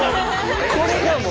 これがもう。